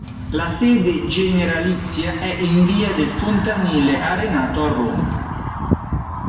La sede generalizia è in via del Fontanile Arenato a Roma.